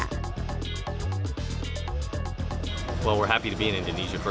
kami senang untuk berada di indonesia